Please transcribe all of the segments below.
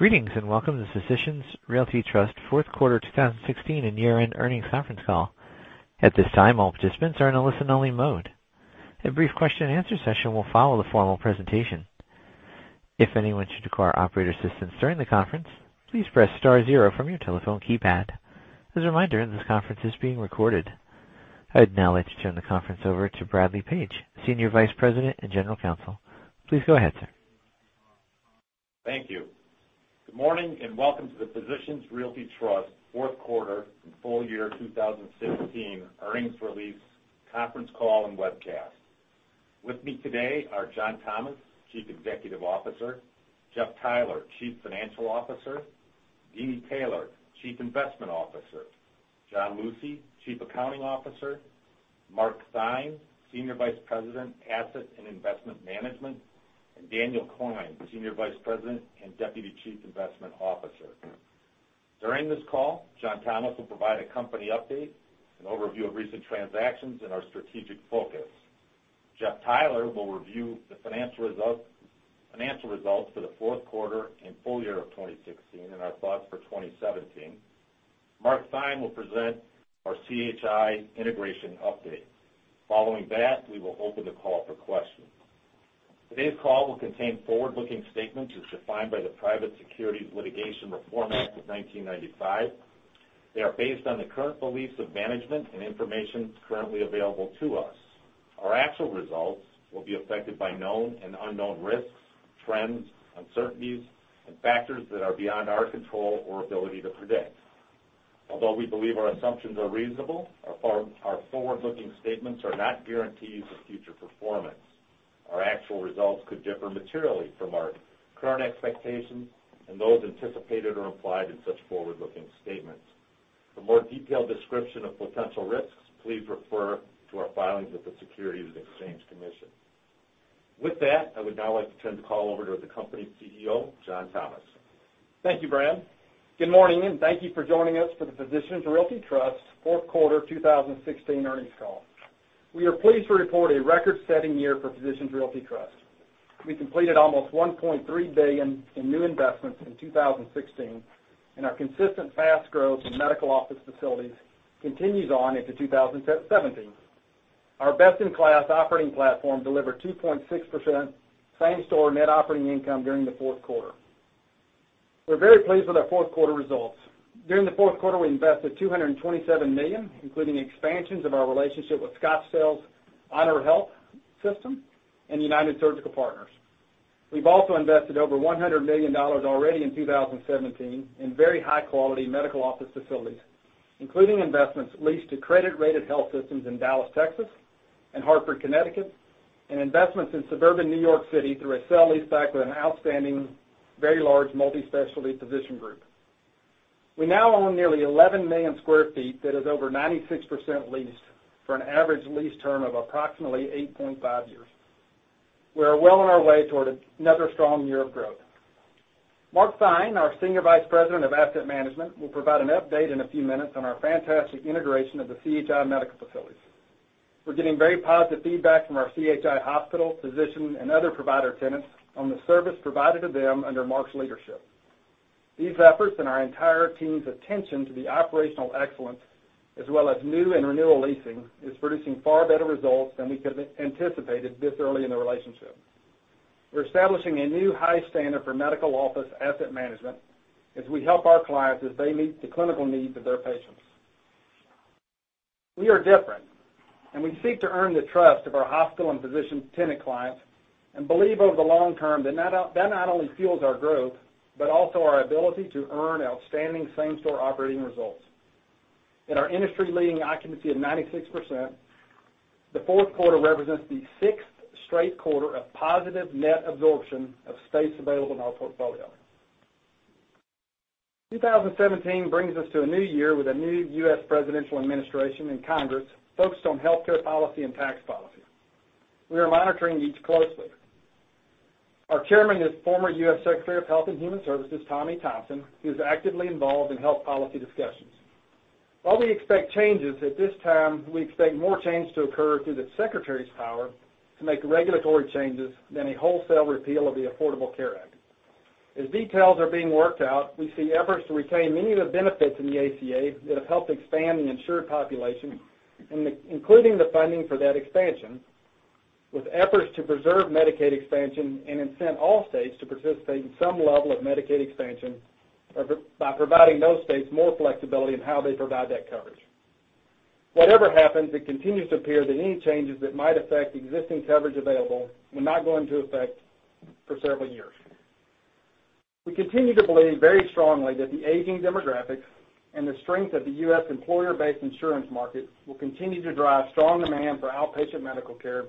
Greetings, welcome to Physicians Realty Trust fourth quarter 2016 and year-end earnings conference call. At this time, all participants are in a listen-only mode. A brief question-and-answer session will follow the formal presentation. If anyone should require operator assistance during the conference, please press star zero from your telephone keypad. As a reminder, this conference is being recorded. I'd now like to turn the conference over to Bradley Page, Senior Vice President and General Counsel. Please go ahead, sir. Thank you. Good morning, welcome to the Physicians Realty Trust fourth quarter and full year 2016 earnings release conference call and webcast. With me today are John Thomas, Chief Executive Officer, Jeff Theiler, Chief Financial Officer, Deeni Taylor, Chief Investment Officer, John Lucey, Chief Accounting Officer, Mark Theine, Senior Vice President, Asset and Investment Management, and Daniel Klein, Senior Vice President and Deputy Chief Investment Officer. During this call, John Thomas will provide a company update, an overview of recent transactions, and our strategic focus. Jeff Theiler will review the financial results for the fourth quarter and full year of 2016 and our thoughts for 2017. Mark Theine will present our CHI integration update. Following that, we will open the call for questions. Today's call will contain forward-looking statements as defined by the Private Securities Litigation Reform Act of 1995. They are based on the current beliefs of management and information currently available to us. Our actual results will be affected by known and unknown risks, trends, uncertainties, and factors that are beyond our control or ability to predict. Although we believe our assumptions are reasonable, our forward-looking statements are not guarantees of future performance. Our actual results could differ materially from our current expectations and those anticipated or implied in such forward-looking statements. For more detailed description of potential risks, please refer to our filings with the Securities and Exchange Commission. With that, I would now like to turn the call over to the company CEO, John Thomas. Thank you, Brad. Good morning, thank you for joining us for the Physicians Realty Trust fourth quarter 2016 earnings call. We are pleased to report a record-setting year for Physicians Realty Trust. We completed almost $1.3 billion in new investments in 2016, and our consistent fast growth in medical office facilities continues on into 2017. Our best-in-class operating platform delivered 2.6% same-store net operating income during the fourth quarter. We're very pleased with our fourth quarter results. During the fourth quarter, we invested $227 million, including expansions of our relationship with Scottsdale's HonorHealth system and United Surgical Partners. We've also invested over $100 million already in 2017 in very high-quality medical office facilities, including investments leased to credit-rated health systems in Dallas, Texas, and Hartford, Connecticut, and investments in suburban New York City through a sale-leaseback with an outstanding, very large multi-specialty physician group. We now own nearly 11 million sq ft that is over 96% leased for an average lease term of approximately 8.5 years. We're well on our way toward another strong year of growth. Mark Theine, our Senior Vice President of Asset Management, will provide an update in a few minutes on our fantastic integration of the CHI medical facilities. We're getting very positive feedback from our CHI hospital, physician, and other provider tenants on the service provided to them under Mark's leadership. These efforts and our entire team's attention to the operational excellence, as well as new and renewal leasing, is producing far better results than we could've anticipated this early in the relationship. We're establishing a new high standard for medical office asset management as we help our clients as they meet the clinical needs of their patients. We are different. We seek to earn the trust of our hospital and physician tenant clients and believe over the long term that not only fuels our growth, but also our ability to earn outstanding same-store operating results. In our industry-leading occupancy of 96%, the fourth quarter represents the sixth straight quarter of positive net absorption of space available in our portfolio. 2017 brings us to a new year with a new U.S. presidential administration and Congress focused on healthcare policy and tax policy. We are monitoring each closely. Our chairman is former U.S. Secretary of Health and Human Services, Tommy Thompson, who's actively involved in health policy discussions. While we expect changes, at this time, we expect more change to occur through the secretary's power to make regulatory changes than a wholesale repeal of the Affordable Care Act. As details are being worked out, we see efforts to retain many of the benefits in the ACA that have helped expand the insured population, including the funding for that expansion, with efforts to preserve Medicaid expansion and incent all states to participate in some level of Medicaid expansion by providing those states more flexibility in how they provide that coverage. Whatever happens, it continues to appear that any changes that might affect existing coverage available will not go into effect for several years. We continue to believe very strongly that the aging demographics and the strength of the U.S. employer-based insurance market will continue to drive strong demand for outpatient medical care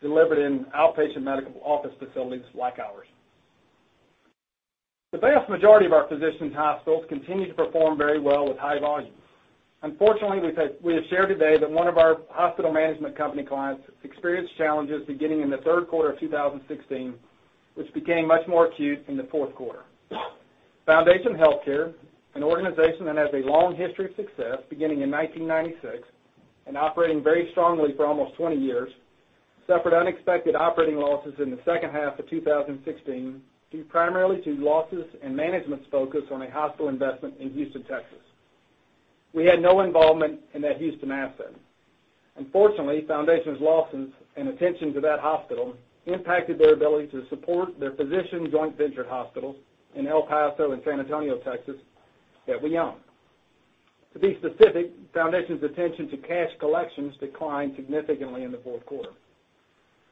delivered in outpatient medical office facilities like ours. The vast majority of our physicians' hospitals continue to perform very well with high volume. Unfortunately, we have shared today that one of our hospital management company clients experienced challenges beginning in the third quarter of 2016, which became much more acute in the fourth quarter. Foundation Healthcare, an organization that has a long history of success beginning in 1996 and operating very strongly for almost 20 years suffered unexpected operating losses in the second half of 2016, due primarily to losses and management's focus on a hospital investment in Houston, Texas. We had no involvement in that Houston asset. Unfortunately, Foundation's losses and attention to that hospital impacted their ability to support their physician joint venture hospitals in El Paso and San Antonio, Texas, that we own. To be specific, Foundation's attention to cash collections declined significantly in the fourth quarter.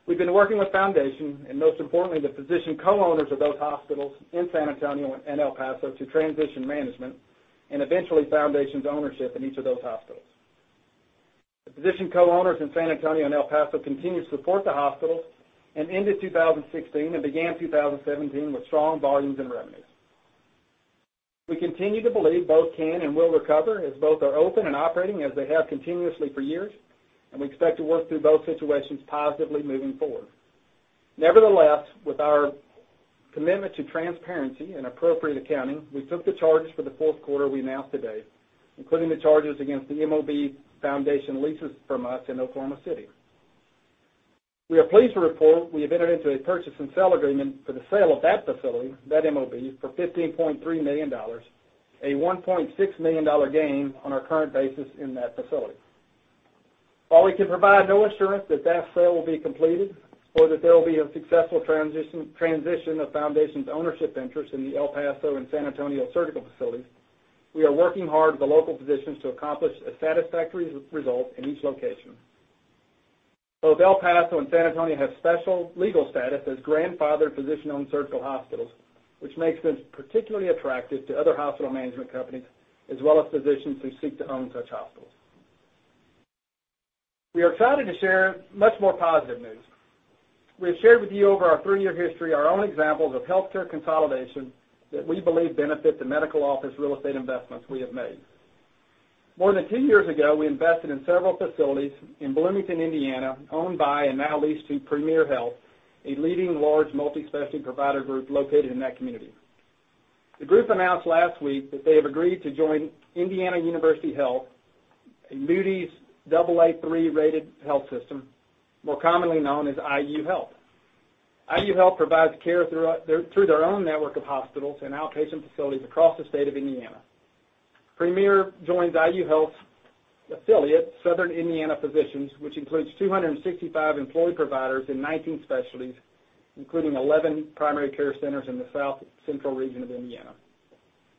We've been working with Foundation, and most importantly, the physician co-owners of those hospitals in San Antonio and El Paso to transition management, and eventually Foundation's ownership in each of those hospitals. The physician co-owners in San Antonio and El Paso continue to support the hospital and ended 2016 and began 2017 with strong volumes and revenues. We continue to believe both can and will recover, as both are open and operating as they have continuously for years, and we expect to work through both situations positively moving forward. Nevertheless, with our commitment to transparency and appropriate accounting, we took the charges for the fourth quarter we announced today, including the charges against the MOB Foundation leases from us in Oklahoma City. We are pleased to report we have entered into a purchase and sale agreement for the sale of that facility, that MOB, for $15.3 million, a $1.6 million gain on our current basis in that facility. While we can provide no assurance that that sale will be completed, or that there will be a successful transition of Foundation's ownership interest in the El Paso and San Antonio surgical facilities, we are working hard with the local physicians to accomplish a satisfactory result in each location. Both El Paso and San Antonio have special legal status as grandfathered physician-owned surgical hospitals, which makes sense, particularly attractive to other hospital management companies, as well as physicians who seek to own such hospitals. We are excited to share much more positive news. We have shared with you over our three-year history our own examples of healthcare consolidation that we believe benefit the medical office real estate investments we have made. More than two years ago, we invested in several facilities in Bloomington, Indiana, owned by and now leased to Premier Health, a leading large multi-specialty provider group located in that community. The group announced last week that they have agreed to join Indiana University Health, a Moody's Aa3 rated health system, more commonly known as IU Health. IU Health provides care through their own network of hospitals and outpatient facilities across the state of Indiana. Premier joins IU Health's affiliate, Southern Indiana Physicians, which includes 265 employed providers in 19 specialties, including 11 primary care centers in the south central region of Indiana.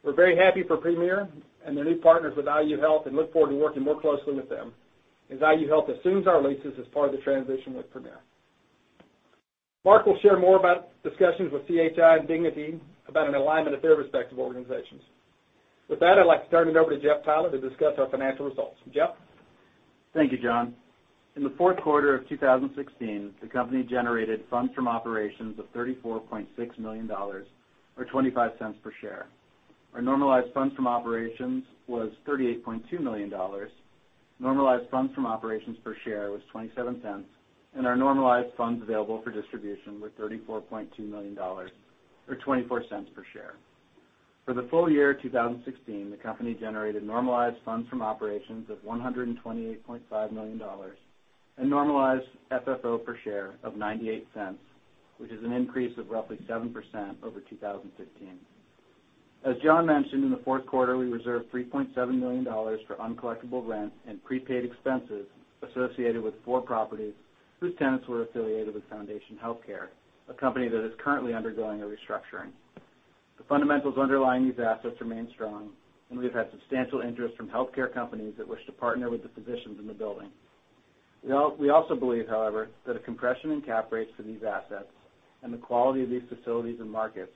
We're very happy for Premier and their new partners with IU Health and look forward to working more closely with them, as IU Health assumes our leases as part of the transition with Premier. Mark will share more about discussions with CHI and Dignity about an alignment of their respective organizations. I'd like to turn it over to Jeff Theiler to discuss our financial results. Jeff? Thank you, John. In the fourth quarter of 2016, the company generated funds from operations of $34.6 million, or $0.25 per share. Our normalized funds from operations was $38.2 million, normalized funds from operations per share was $0.27, and our normalized funds available for distribution were $34.2 million, or $0.24 per share. For the full year 2016, the company generated normalized funds from operations of $128.5 million and normalized FFO per share of $0.98, which is an increase of roughly 7% over 2015. As John mentioned, in the fourth quarter, we reserved $3.7 million for uncollectible rent and prepaid expenses associated with four properties whose tenants were affiliated with Foundation Health Corporation, a company that is currently undergoing a restructuring. The fundamentals underlying these assets remain strong, and we have had substantial interest from healthcare companies that wish to partner with the physicians in the building. We also believe, however, that a compression in cap rates for these assets and the quality of these facilities and markets,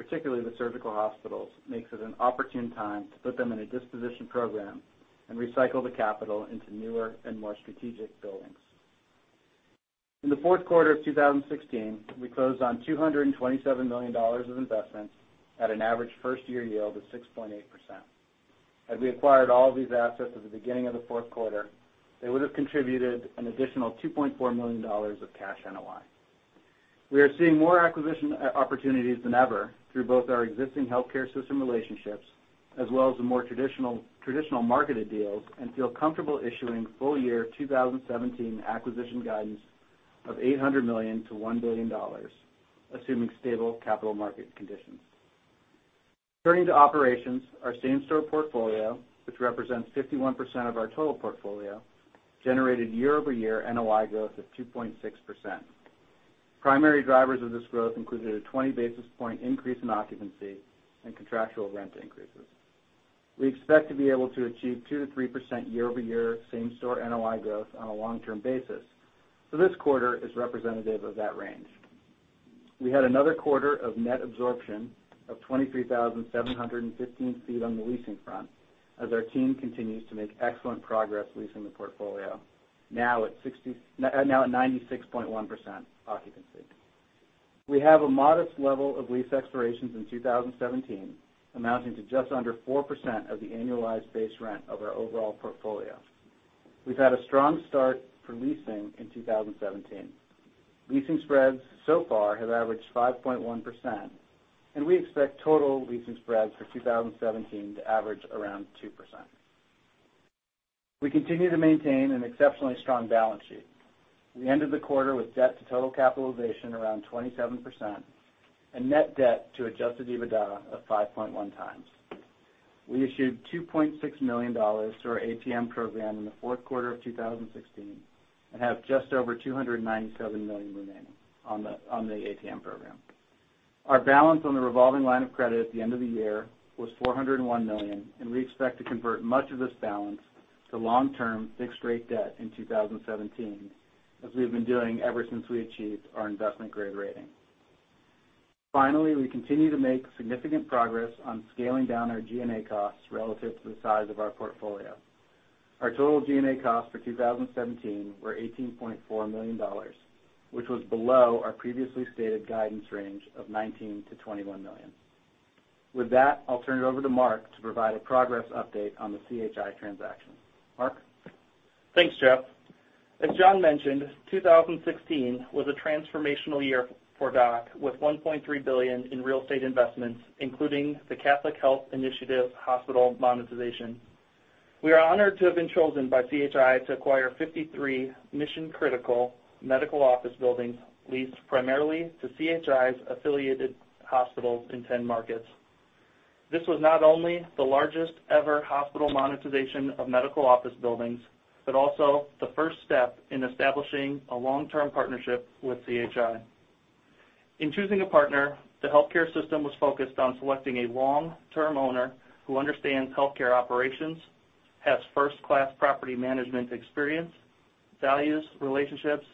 particularly the surgical hospitals, makes it an opportune time to put them in a disposition program and recycle the capital into newer and more strategic buildings. In the fourth quarter of 2016, we closed on $227 million of investments at an average first-year yield of 6.8%. Had we acquired all of these assets at the beginning of the fourth quarter, they would've contributed an additional $2.4 million of cash NOI. We are seeing more acquisition opportunities than ever through both our existing healthcare system relationships, as well as the more traditional marketed deals. We feel comfortable issuing full year 2017 acquisition guidance of $800 million-$1 billion, assuming stable capital market conditions. Turning to operations, our same-store portfolio, which represents 51% of our total portfolio, generated year-over-year NOI growth of 2.6%. Primary drivers of this growth included a 20-basis-point increase in occupancy and contractual rent increases. We expect to be able to achieve 2%-3% year-over-year same-store NOI growth on a long-term basis, so this quarter is representative of that range. We had another quarter of net absorption of 23,715 feet on the leasing front, as our team continues to make excellent progress leasing the portfolio, now at 96.1% occupancy. We have a modest level of lease expirations in 2017, amounting to just under 4% of the annualized base rent of our overall portfolio. We've had a strong start for leasing in 2017. Leasing spreads so far have averaged 5.1%. We expect total leasing spreads for 2017 to average around 2%. We continue to maintain an exceptionally strong balance sheet. We ended the quarter with debt to total capitalization around 27%, and net debt to adjusted EBITDA of 5.1 times. We issued $2.6 million through our ATM program in the fourth quarter of 2016. We have just over $297 million remaining on the ATM program. Our balance on the revolving line of credit at the end of the year was $401 million. We expect to convert much of this balance to long-term fixed rate debt in 2017, as we have been doing ever since we achieved our investment-grade rating. Finally, we continue to make significant progress on scaling down our G&A costs relative to the size of our portfolio. Our total G&A costs for 2017 were $18.4 million, which was below our previously stated guidance range of $19 million-$21 million. With that, I'll turn it over to Mark to provide a progress update on the CHI transaction. Mark? Thanks, Jeff. As John mentioned, 2016 was a transformational year for DOC with $1.3 billion in real estate investments, including the Catholic Health Initiatives hospital monetization. We are honored to have been chosen by CHI to acquire 53 mission-critical medical office buildings leased primarily to CHI's affiliated hospitals in 10 markets. This was not only the largest-ever hospital monetization of medical office buildings, but also the first step in establishing a long-term partnership with CHI. In choosing a partner, the healthcare system was focused on selecting a long-term owner who understands healthcare operations, has first-class property management experience, values relationships,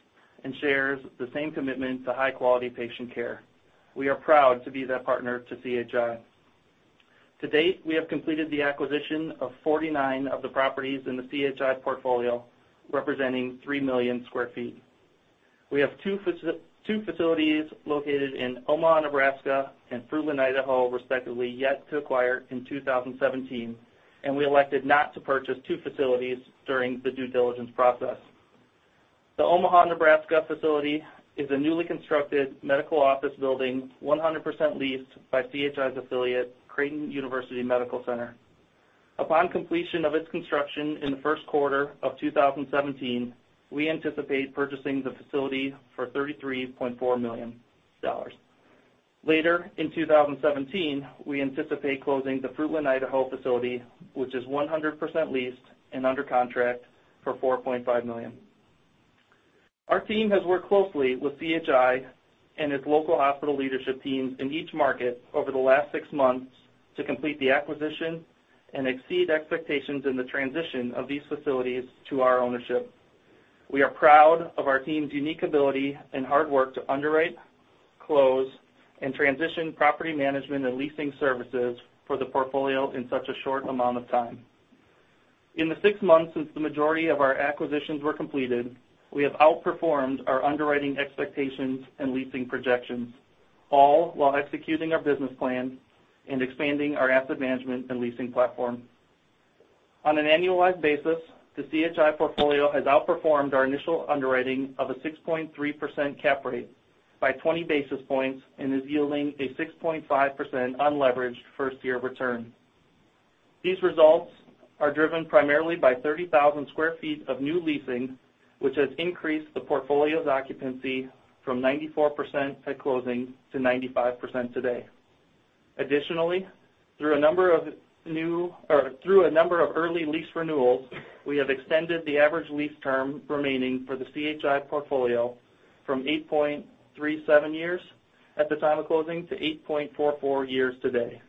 and shares the same commitment to high-quality patient care. We are proud to be that partner to CHI. To date, we have completed the acquisition of 49 of the properties in the CHI portfolio, representing three million square feet. We have two facilities located in Omaha, Nebraska, and Fruitland, Idaho, respectively, yet to acquire in 2017, and we elected not to purchase two facilities during the due diligence process. The Omaha, Nebraska facility is a newly constructed medical office building, 100% leased by CHI's affiliate, Creighton University Medical Center. Upon completion of its construction in the first quarter of 2017, we anticipate purchasing the facility for $33.4 million. Later in 2017, we anticipate closing the Fruitland, Idaho facility, which is 100% leased and under contract for $4.5 million. Our team has worked closely with CHI and its local hospital leadership teams in each market over the last six months to complete the acquisition and exceed expectations in the transition of these facilities to our ownership. We are proud of our team's unique ability and hard work to underwrite, close, and transition property management and leasing services for the portfolio in such a short amount of time. In the six months since the majority of our acquisitions were completed, we have outperformed our underwriting expectations and leasing projections, all while executing our business plan and expanding our asset management and leasing platform. On an annualized basis, the CHI portfolio has outperformed our initial underwriting of a 6.3% cap rate by 20 basis points and is yielding a 6.5% unleveraged first-year return. These results are driven primarily by 30,000 square feet of new leasing, which has increased the portfolio's occupancy from 94% at closing to 95% today. Additionally, through a number of early lease renewals, we have extended the average lease term remaining for the CHI portfolio from 8.37 years at the time of closing to 8.44 years today.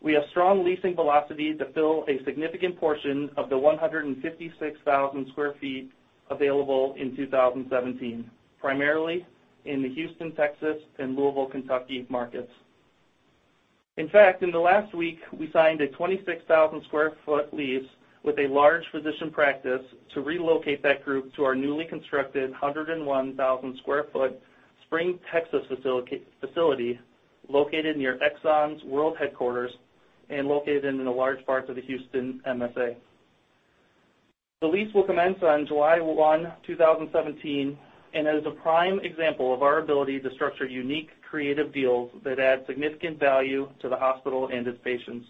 We have strong leasing velocity to fill a significant portion of the 156,000 square feet available in 2017, primarily in the Houston, Texas, and Louisville, Kentucky markets. In fact, in the last week, we signed a 26,000 square foot lease with a large physician practice to relocate that group to our newly constructed 101,000 square foot Spring, Texas facility located near Exxon's world headquarters and located in a large part of the Houston MSA. The lease will commence on July 1, 2017, and it is a prime example of our ability to structure unique, creative deals that add significant value to the hospital and its patients.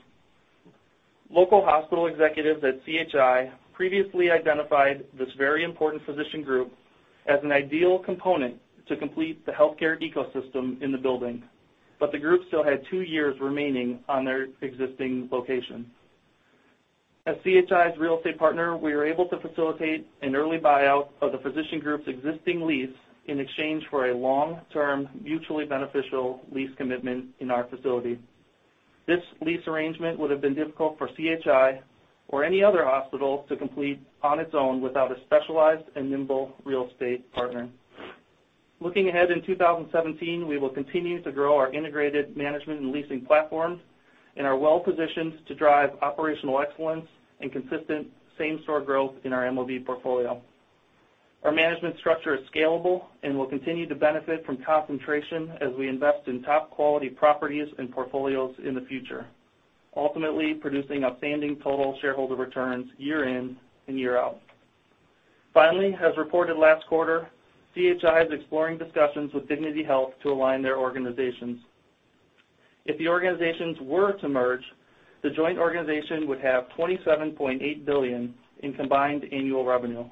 Local hospital executives at CHI previously identified this very important physician group as an ideal component to complete the healthcare ecosystem in the building, but the group still had two years remaining on their existing location. As CHI's real estate partner, we were able to facilitate an early buyout of the physician group's existing lease in exchange for a long-term, mutually beneficial lease commitment in our facility. This lease arrangement would have been difficult for CHI or any other hospital to complete on its own without a specialized and nimble real estate partner. Looking ahead in 2017, we will continue to grow our integrated management and leasing platforms and are well positioned to drive operational excellence and consistent same-store growth in our MOB portfolio. Our management structure is scalable and will continue to benefit from concentration as we invest in top-quality properties and portfolios in the future, ultimately producing outstanding total shareholder returns year in and year out. Finally, as reported last quarter, CHI is exploring discussions with Dignity Health to align their organizations. If the organizations were to merge, the joint organization would have $27.8 billion in combined annual revenue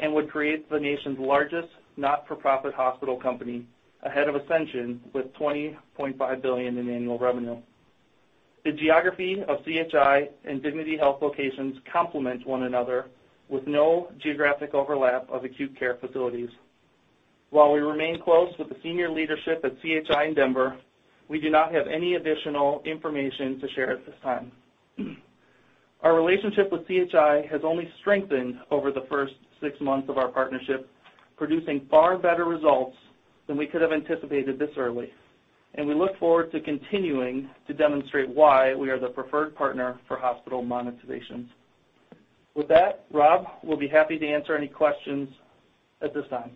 and would create the nation's largest not-for-profit hospital company, ahead of Ascension, with $20.5 billion in annual revenue. The geography of CHI and Dignity Health locations complement one another with no geographic overlap of acute care facilities. While we remain close with the senior leadership at CHI in Denver, we do not have any additional information to share at this time. Our relationship with CHI has only strengthened over the first six months of our partnership, producing far better results than we could have anticipated this early, and we look forward to continuing to demonstrate why we are the preferred partner for hospital monetizations. With that, Rob, we'll be happy to answer any questions at this time.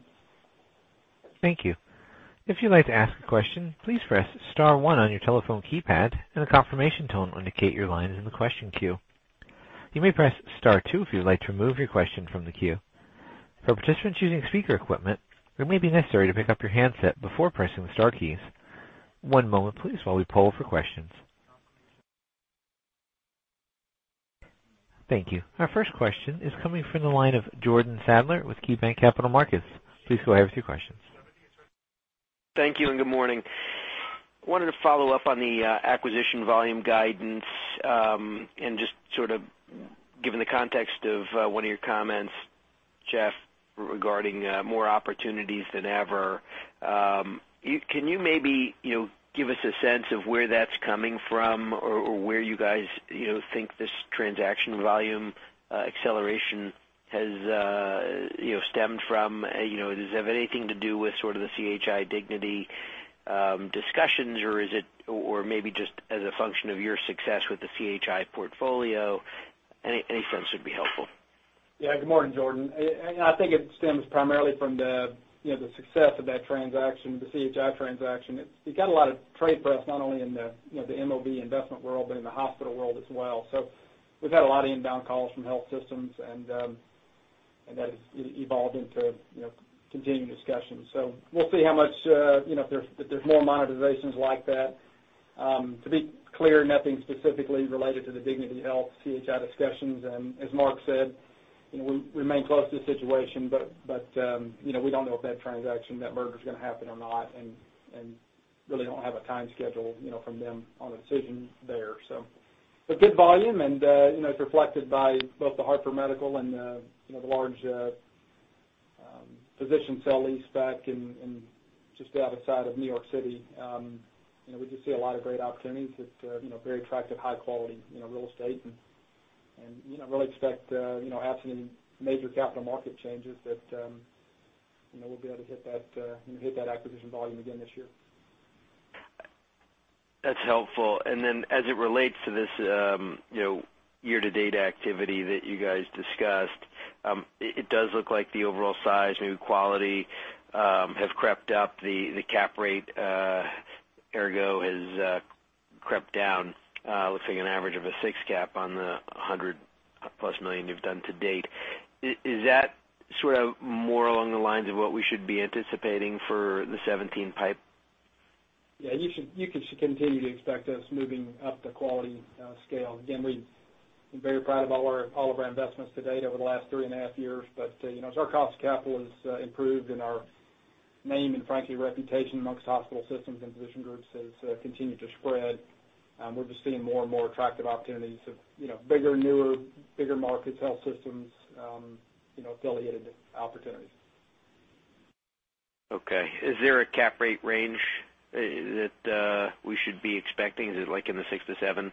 Thank you. If you'd like to ask a question, please press *1 on your telephone keypad, and a confirmation tone will indicate your line is in the question queue. You may press *2 if you'd like to remove your question from the queue. For participants using speaker equipment, it may be necessary to pick up your handset before pressing the star keys. One moment please while we poll for questions. Thank you. Our first question is coming from the line of Jordan Sadler with KeyBanc Capital Markets. Please go ahead with your questions. Thank you. Good morning. Wanted to follow up on the acquisition volume guidance, just sort of given the context of one of your comments, Jeff, regarding more opportunities than ever. Can you maybe give us a sense of where that's coming from or where you guys think this transaction volume acceleration has stemmed from? Does it have anything to do with sort of the CHI Dignity Health discussions or maybe just as a function of your success with the CHI portfolio? Any sense would be helpful. Good morning, Jordan. I think it stems primarily from the success of that transaction, the CHI transaction. It got a lot of trade press, not only in the MOB investment world, but in the hospital world as well. We've had a lot of inbound calls from health systems, that has evolved into continuing discussions. We'll see how much if there's more monetizations like that. To be clear, nothing specifically related to the Dignity Health CHI discussions. As Mark said, we remain close to the situation, we don't know if that transaction, that merger, is going to happen or not, really don't have a time schedule from them on a decision there. A good volume, it's reflected by both the Hartford HealthCare and the large physician sell-lease back in just the other side of New York City. We just see a lot of great opportunities. It's very attractive, high quality real estate, really expect absolutely major capital market changes that we'll be able to hit that acquisition volume again this year. That's helpful. As it relates to this year-to-date activity that you guys discussed, it does look like the overall size, maybe quality, have crept up. The cap rate, ergo, has crept down. Looks like an average of a six cap on the $100-plus million you've done to date. Is that sort of more along the lines of what we should be anticipating for the 2017 pipe? You should continue to expect us moving up the quality scale. Again, we are very proud of all of our investments to date over the last three and a half years. As our cost of capital has improved and our name and frankly, reputation amongst hospital systems and physician groups has continued to spread, we are just seeing more and more attractive opportunities of bigger, newer, bigger markets, health systems, affiliated opportunities. Okay. Is there a cap rate range that we should be expecting? Is it like in the six to seven?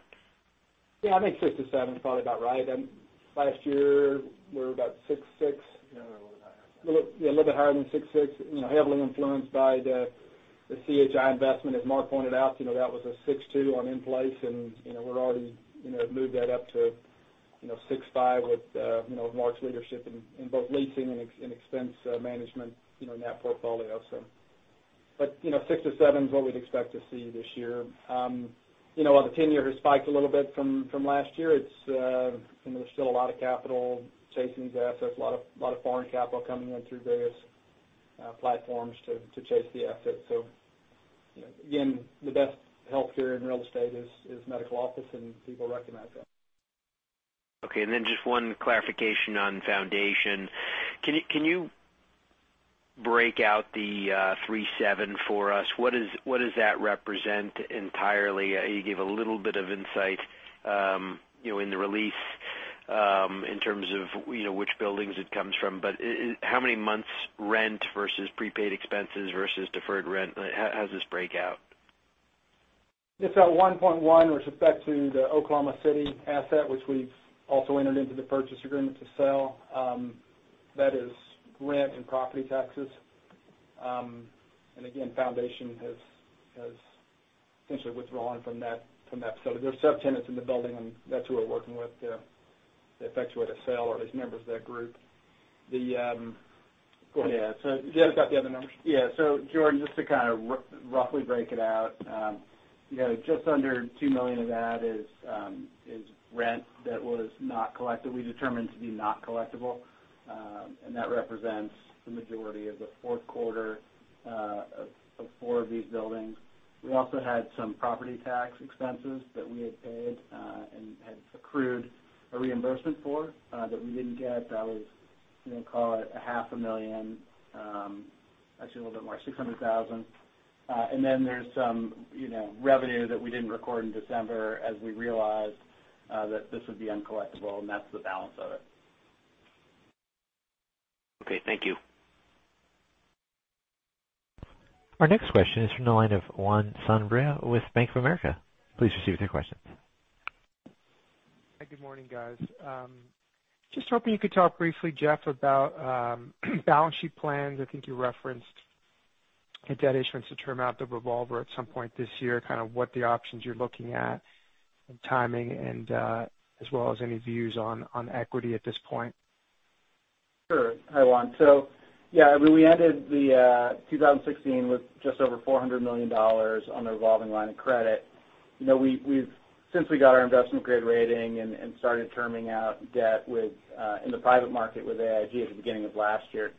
I think six to seven is probably about right. Last year, we were about six-six. A little bit higher. Yeah, a little bit higher than 6.6. Heavily influenced by the CHI investment. As Mark pointed out, that was a 6.2 on in-place, and we're already moved that up to 6.5 with Mark's leadership in both leasing and expense management in that portfolio. Six to seven is what we'd expect to see this year. While the tenor has spiked a little bit from last year, there's still a lot of capital chasing the assets, a lot of foreign capital coming in through various platforms to chase the assets. Again, the best healthcare in real estate is medical office, and people recognize that. Okay. Then just one clarification on Foundation. Can you break out the $3.7 for us? What does that represent entirely? You gave a little bit of insight in the release in terms of which buildings it comes from. How many months rent versus prepaid expenses versus deferred rent? How does this break out? It's $1.1 with respect to the Oklahoma City asset, which we've also entered into the purchase agreement to sell. That is rent and property taxes. Again, Foundation has essentially withdrawn from that facility. There's subtenants in the building, and that's who we're working with to effectuate a sale or at least members of that group. Go ahead. Yeah. You haven't got the other numbers? Jordan, just to kind of roughly break it out. Just under $2 million of that is rent that was not collected, we determined to be not collectible, and that represents the majority of the fourth quarter of four of these buildings. We also had some property tax expenses that we had paid, and had accrued a reimbursement for, that we didn't get. That was, call it a half a million, actually, a little bit more, $600,000. Then there's some revenue that we didn't record in December as we realized that this would be uncollectible, and that's the balance of it. Okay, thank you. Our next question is from the line of Juan Sanabria with Bank of America. Please proceed with your question. Hi, good morning, guys. Just hoping you could talk briefly, Jeff, about balance sheet plans. I think you referenced a debt issuance to term out the revolver at some point this year, kind of what the options you're looking at and timing, and as well as any views on equity at this point. Sure. Hi, Juan. Yeah, we ended 2016 with just over $400 million on the revolving line of credit. Since we got our investment-grade rating and started terming out debt in the private market with AIG at the beginning of last year,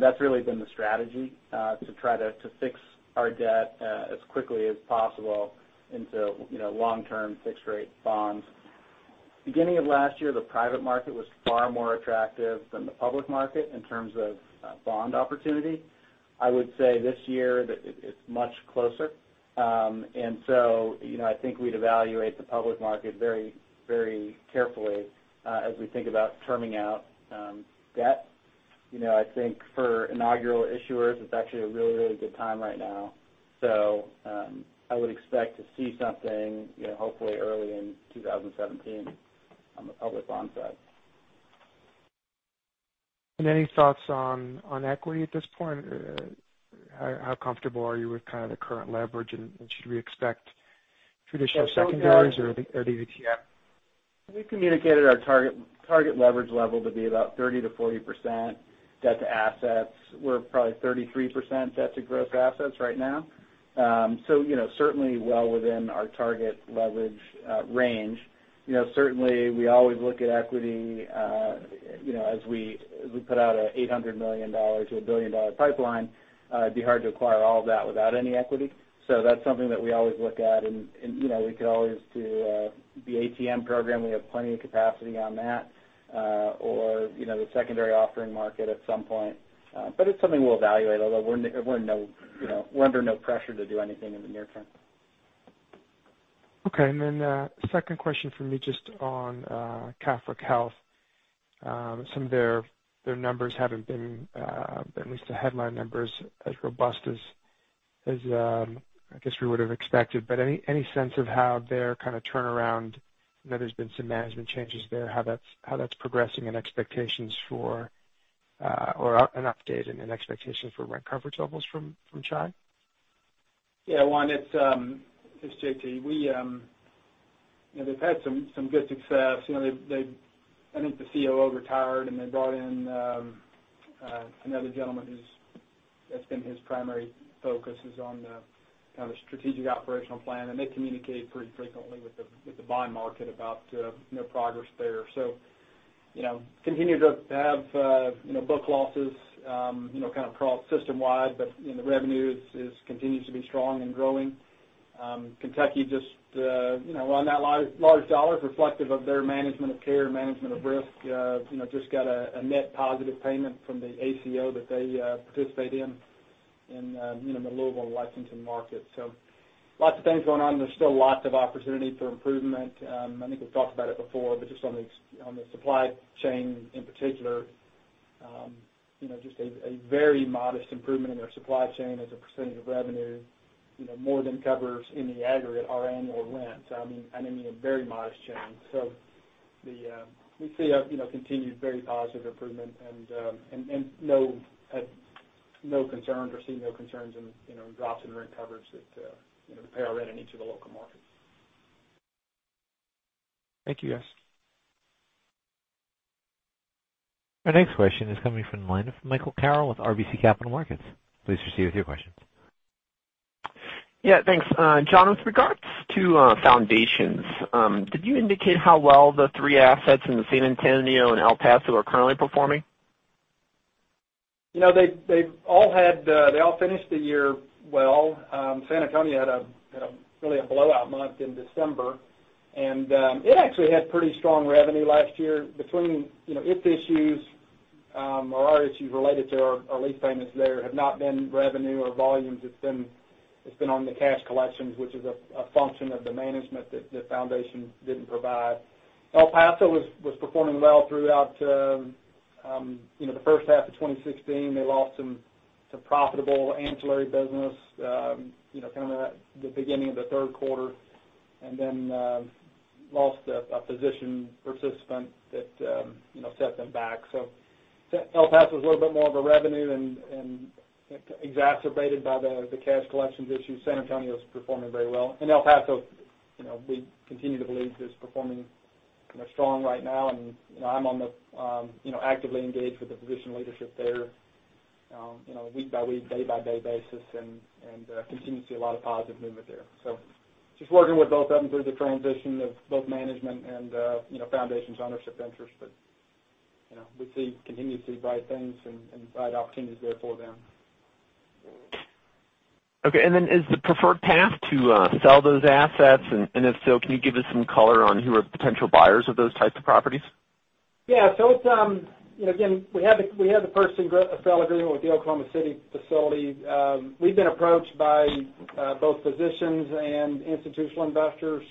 that's really been the strategy, to try to fix our debt as quickly as possible into long-term fixed rate bonds. Beginning of last year, the private market was far more attractive than the public market in terms of bond opportunity. I would say this year that it's much closer. I think we'd evaluate the public market very carefully, as we think about terming out debt. I think for inaugural issuers, it's actually a really good time right now. I would expect to see something, hopefully early in 2017 on the public bond side. Any thoughts on equity at this point? How comfortable are you with kind of the current leverage, and should we expect traditional secondaries or the ATM? We've communicated our target leverage level to be about 30%-40% debt to assets. We're probably 33% debt to gross assets right now. Certainly well within our target leverage range. Certainly, we always look at equity, as we put out an $800 million-$1 billion pipeline, it'd be hard to acquire all of that without any equity. That's something that we always look at, and we could always do the ATM program. We have plenty of capacity on that. The secondary offering market at some point. It's something we'll evaluate, although we're under no pressure to do anything in the near term. Okay. Second question for me just on Catholic Health. Some of their numbers haven't been, at least the headline numbers, as robust as I guess we would've expected. Any sense of how their kind of turnaround, there's been some management changes there, how that's progressing and expectations for, or an update and an expectation for rent coverage levels from Chi? Yeah. Juan, it's J.T. They've had some good success. I think the COO retired, they brought in another gentleman who's, that's been his primary focus, is on the kind of strategic operational plan, they communicate pretty frequently with the bond market about progress there. Continue to have book losses kind of system-wide, the revenue continues to be strong and growing. Kentucky, just on that large dollar reflective of their management of care, management of risk, just got a net positive payment from the ACO that they participate in the Louisville and Lexington market. Lots of things going on. There's still lots of opportunity for improvement. I think we've talked about it before, just on the supply chain in particular, just a very modest improvement in their supply chain as a percentage of revenue, more than covers in the aggregate our annual rent. I mean a very modest change. We see a continued very positive improvement and no concerns or see no concerns in drops in rent coverage that pay our rent in each of the local markets. Thank you, guys. Our next question is coming from the line of Michael Carroll with RBC Capital Markets. Please proceed with your question. Yeah, thanks. John, with regards to foundations, could you indicate how well the three assets in San Antonio and El Paso are currently performing? They all finished the year well. San Antonio had really a blowout month in December, it actually had pretty strong revenue last year. Between its issues or our issues related to our lease payments there have not been revenue or volumes. It's been on the cash collections, which is a function of the management that the Foundation didn't provide. El Paso was performing well throughout the first half of 2016. They lost some profitable ancillary business, kind of at the beginning of the third quarter. Then lost a physician participant that set them back. El Paso's a little bit more of a revenue and exacerbated by the cash collections issue. San Antonio's performing very well. El Paso, we continue to believe They're strong right now, and I'm actively engaged with the physician leadership there, week by week, day by day basis, continue to see a lot of positive movement there. Just working with both of them through the transition of both management and Foundation's ownership interest. We continue to see bright things and bright opportunities there for them. Okay. Then is the preferred path to sell those assets? If so, can you give us some color on who are potential buyers of those types of properties? Yeah. Again, we had the first sale agreement with the Oklahoma City facility. We've been approached by both physicians and institutional investors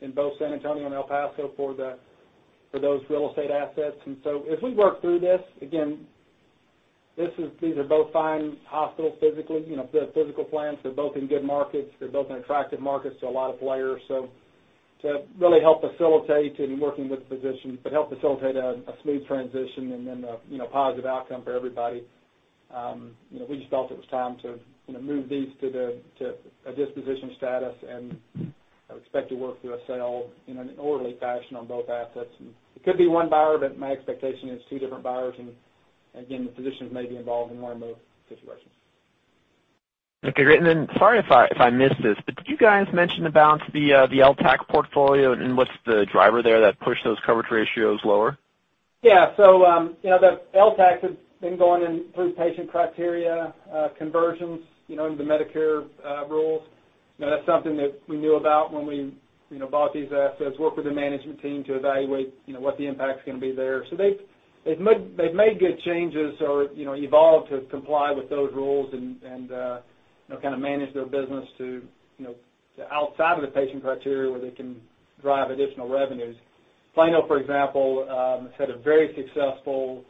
in both San Antonio and El Paso for those real estate assets. As we work through this, again, these are both fine hospitals, physically. They're physical plants. They're both in good markets. They're both in attractive markets to a lot of players. To really help facilitate and working with the physicians, but help facilitate a smooth transition and then a positive outcome for everybody, we just felt it was time to move these to a disposition status. I would expect to work through a sale in an orderly fashion on both assets. It could be one buyer, but my expectation is two different buyers. Again, the physicians may be involved in one or both situations. Okay, great. Then, sorry if I missed this, but did you guys mention about the LTAC portfolio, and what's the driver there that pushed those coverage ratios lower? Yeah. The LTAC has been going in through patient criteria, conversions, in the Medicare rules. That's something that we knew about when we bought these assets, worked with the management team to evaluate what the impact's going to be there. They've made good changes or evolved to comply with those rules and kind of manage their business to outside of the patient criteria where they can drive additional revenues. Plano, for example, has had a very successful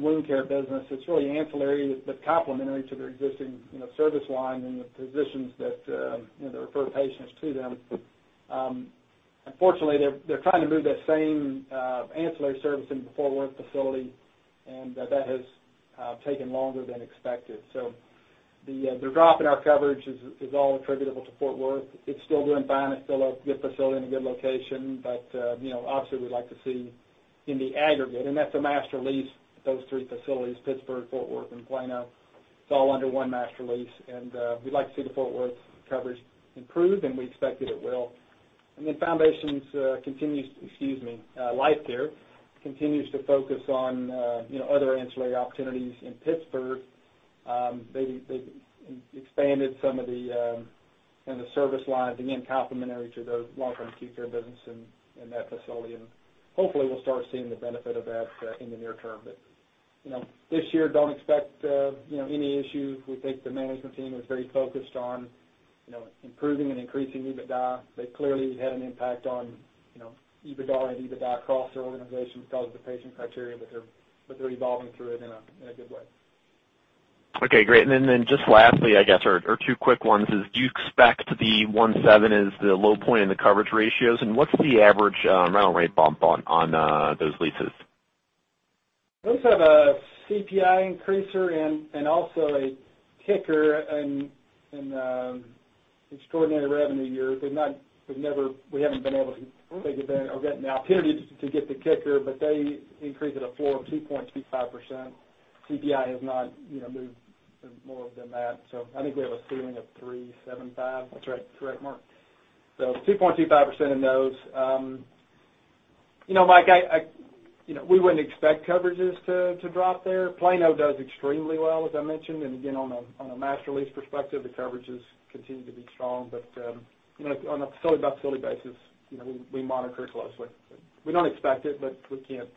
wound care business that's really ancillary but complementary to their existing service line and the physicians that refer patients to them. Unfortunately, they're trying to move that same ancillary service into the Fort Worth facility, and that has taken longer than expected. The drop in our coverage is all attributable to Fort Worth. It's still doing fine. It's still a good facility and a good location. Obviously, we'd like to see in the aggregate. That's a master lease, those three facilities, Pittsburgh, Fort Worth, and Plano. It's all under one master lease. We'd like to see the Fort Worth coverage improve, and we expect that it will. LIFE Pittsburgh continues to focus on other ancillary opportunities in Pittsburgh. They've expanded some of the service lines, again, complementary to the long-term acute care business in that facility. Hopefully we'll start seeing the benefit of that in the near term. This year, don't expect any issues. We think the management team is very focused on improving and increasing EBITDA. They've clearly had an impact on EBITDA and EBITDA across their organization because of the patient criteria, but they're evolving through it in a good way. Okay, great. Just lastly, I guess, or two quick ones is, do you expect the 1.7 is the low point in the coverage ratios, and what's the average rental rate bump on those leases? Those have a CPI increaser and also a kicker in extraordinary revenue years. We haven't been able to take advantage or gotten the opportunity to get the kicker, but they increase it a floor of 2.25%. CPI has not moved more than that. I think we have a ceiling of 3.75%. Is that correct, Mark? 2.25% in those. Mike, we wouldn't expect coverages to drop there. Plano does extremely well, as I mentioned. Again, on a master lease perspective, the coverages continue to be strong. On a facility-by-facility basis, we monitor it closely. We don't expect it, but we can't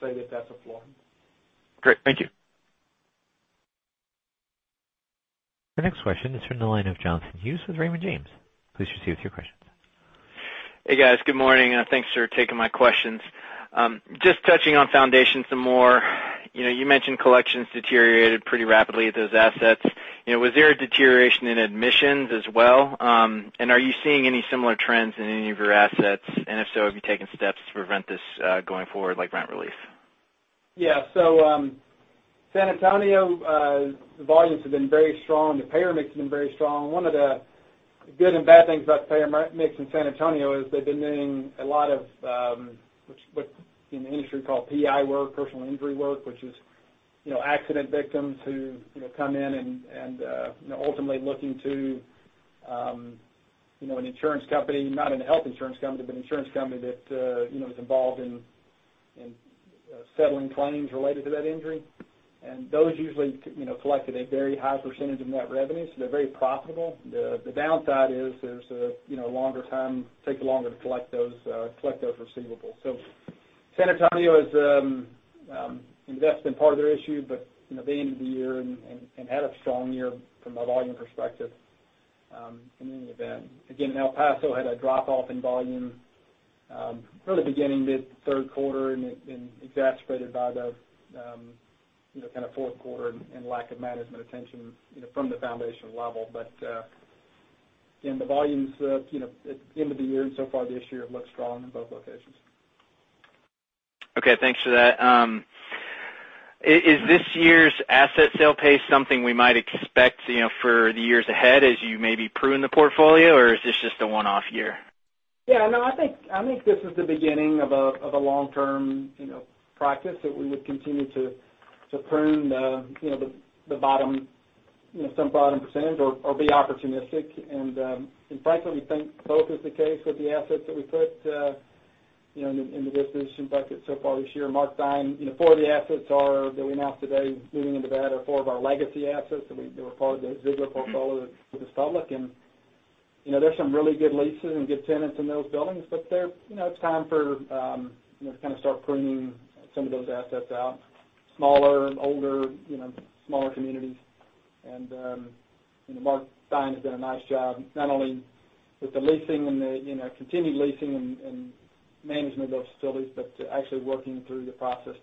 say that that's a floor. Great. Thank you. The next question is from the line of Jonathan Hughes with Raymond James. Please proceed with your question. Hey, guys. Good morning, and thanks for taking my questions. Just touching on Foundation some more. You mentioned collections deteriorated pretty rapidly at those assets. Was there a deterioration in admissions as well? Are you seeing any similar trends in any of your assets? If so, have you taken steps to prevent this going forward, like rent relief? Yeah. San Antonio, the volumes have been very strong. The payer mix has been very strong. One of the good and bad things about the payer mix in San Antonio is they've been doing a lot of, what in the industry call PI work, personal injury work, which is accident victims who come in and ultimately looking to an insurance company, not a health insurance company, but an insurance company that is involved in settling claims related to that injury. Those usually collect at a very high % of net revenue, so they're very profitable. The downside is there's a longer time, takes longer to collect those receivables. San Antonio has invested in part of their issue, but the end of the year and had a strong year from a volume perspective in any event. Again, El Paso had a drop-off in volume really beginning mid-third quarter and exasperated by the kind of fourth quarter and lack of management attention from the Foundation level. Again, the volumes at the end of the year and so far this year look strong in both locations. thanks for that. Is this year's asset sale pace something we might expect for the years ahead as you maybe prune the portfolio, or is this just a one-off year? I think this is the beginning of a long-term practice that we would continue to prune some bottom percentage or be opportunistic. Frankly, we think both is the case with the assets that we put in the disposition bucket so far this year. Mark Theine, 4 of the assets that we announced today, moving into that, are 4 of our legacy assets that were part of the Vigila portfolio that went public. There's some really good leases and good tenants in those buildings, but it's time to start pruning some of those assets out. Smaller, older, smaller communities. Mark Theine has done a nice job, not only with the leasing and the continued leasing and management of those facilities, but actually working through the process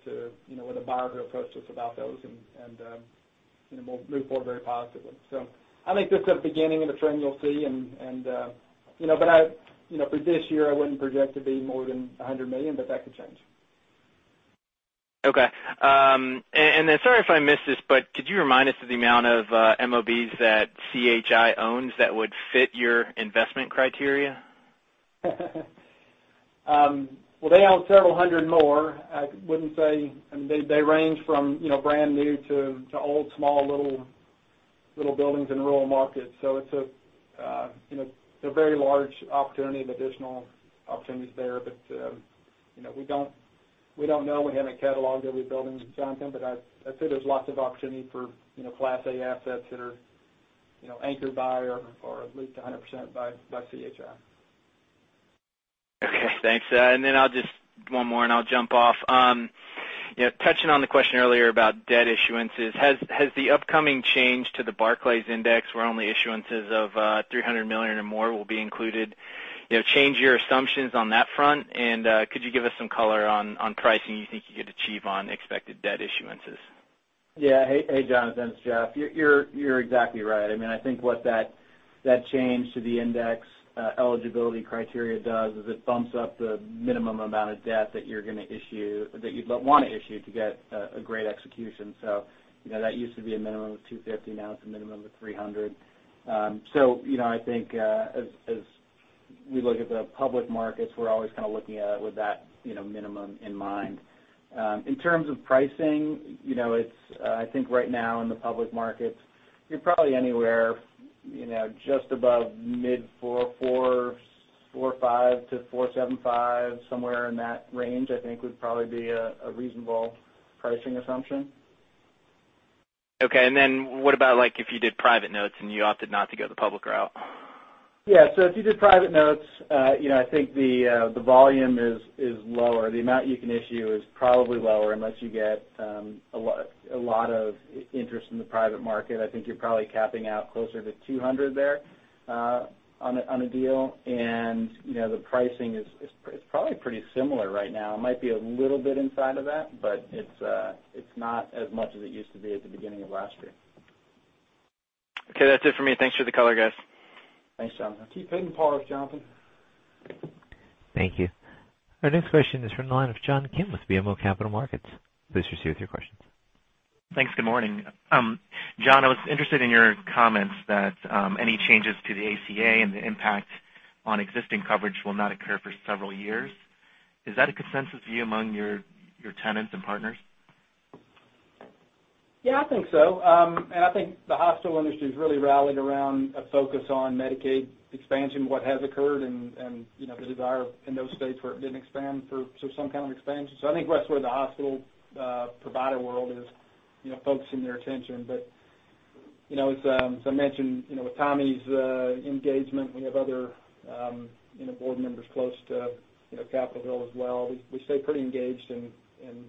when a buyer who approached us about those, and we'll move forward very positively. I think this is the beginning of a trend you'll see. For this year, I wouldn't project to be more than $100 million, that could change. Sorry if I missed this, could you remind us of the amount of MOBs that CHI owns that would fit your investment criteria? They own several hundred more. They range from brand new to old, small, little buildings in rural markets. They're a very large opportunity and additional opportunities there. We don't know. We haven't cataloged every building, Jonathan, but I'd say there's lots of opportunity for Class A assets that are anchored by or at least 100% by CHI. Okay, thanks. I'll just one more, and I'll jump off. Touching on the question earlier about debt issuances, has the upcoming change to the Barclays Index, where only issuances of $300 million or more will be included, changed your assumptions on that front? Could you give us some color on pricing you think you could achieve on expected debt issuances? Yeah. Hey, Jonathan, it's Jeff. You're exactly right. I think what that change to the index eligibility criteria does is it bumps up the minimum amount of debt that you'd want to issue to get a great execution. That used to be a minimum of 250. Now it's a minimum of 300. I think, as we look at the public markets, we're always kind of looking at it with that minimum in mind. In terms of pricing, I think right now in the public markets, you're probably anywhere just above mid 4.4%, 4.5%-4.75%. Somewhere in that range, I think would probably be a reasonable pricing assumption. Okay, what about if you did private notes, and you opted not to go the public route? If you did private notes, I think the volume is lower. The amount you can issue is probably lower, unless you get a lot of interest in the private market. I think you're probably capping out closer to 200 there on a deal. The pricing is probably pretty similar right now. It might be a little bit inside of that, but it's not as much as it used to be at the beginning of last year. That's it for me. Thanks for the color, guys. Thanks, Jonathan. Keep hitting pause, Jonathan. Thank you. Our next question is from the line of John Kim with BMO Capital Markets. Please proceed with your questions. Thanks. Good morning. John, I was interested in your comments that any changes to the ACA and the impact on existing coverage will not occur for several years. Is that a consensus view among your tenants and partners? Yeah, I think so. I think the hospital industry's really rallied around a focus on Medicaid expansion, what has occurred, and the desire in those states where it didn't expand for some kind of expansion. I think that's where the hospital provider world is focusing their attention. As I mentioned, with Tommy's engagement, we have other board members close to Capitol Hill as well. We stay pretty engaged in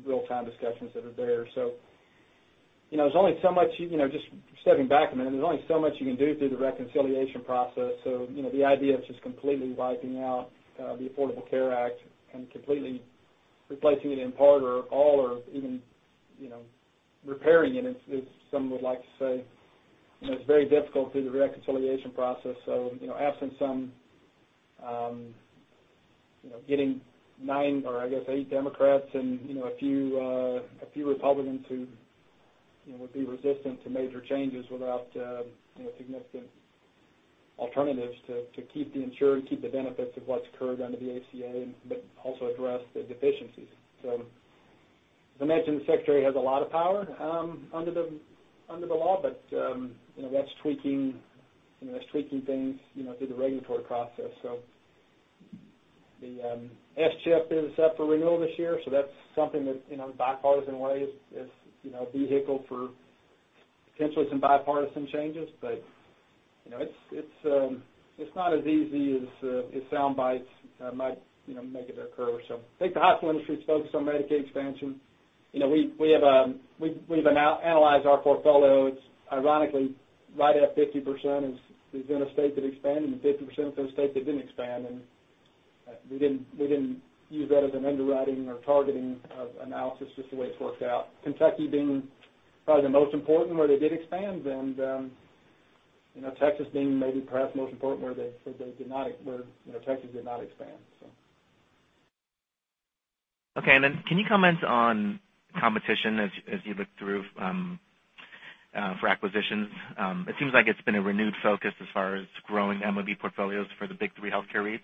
real-time discussions that are there. Just stepping back a minute, there's only so much you can do through the reconciliation process. The idea of just completely wiping out the Affordable Care Act and completely replacing it in part or all, or even repairing it, as some would like to say, it's very difficult through the reconciliation process. Absent some getting nine, or I guess eight Democrats and a few Republicans who would be resistant to major changes without significant alternatives to keep the insured, keep the benefits of what's occurred under the ACA, also address the deficiencies. As I mentioned, the secretary has a lot of power under the law, that's tweaking things through the regulatory process. The S-CHIP is up for renewal this year. That's something that, in bipartisan ways, is a vehicle for potentially some bipartisan changes. It's not as easy as sound bites might make it occur. I think the hospital industry is focused on Medicaid expansion. We've analyzed our portfolio. It's ironically right at 50% is in a state that expanded, 50% of those states that didn't expand, we didn't use that as an underwriting or targeting analysis, just the way it's worked out. Kentucky being probably the most important where they did expand and Texas being maybe perhaps most important where Texas did not expand. Can you comment on competition as you look through for acquisitions? It seems like it's been a renewed focus as far as growing MOB portfolios for the big three healthcare REITs.